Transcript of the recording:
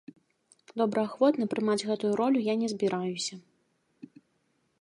Добраахвотна прымаць гэтую ролю я не збіраюся.